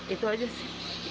itu aja sih